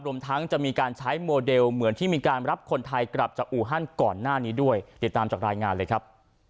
รวมทั้งจะมีการใช้โมเดลเหมือนที่มีการรับคนไทยกลับจากอูฮันก่อนหน้านี้ด้วยติดตามจากรายงานเลยครับ